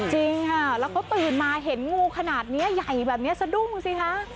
จริงค่ะแล้วเขาตื่นมาเห็นงูขนาดนี้ใหญ่แบบนี้สะดุ้งสิคะ